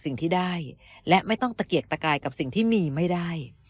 สิ่งที่ได้และไม่ต้องตะเกียกตะกายกับสิ่งที่มีไม่ได้